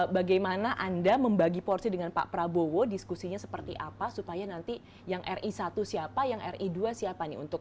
bagaimana anda membagi porsi dengan pak prabowo diskusinya seperti apa supaya nanti yang ri satu siapa yang ri dua siapa nih untuk